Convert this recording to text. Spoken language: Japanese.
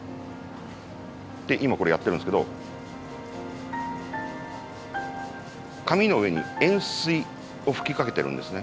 で今これやってるんですけど紙の上に塩水を吹きかけてるんですね。